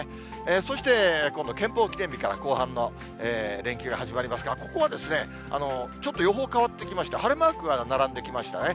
そして今度、憲法記念日から後半の連休が始まりますが、ここは、ちょっと予報変わってきまして、晴れマークが並んできましたね。